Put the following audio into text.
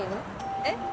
えっ？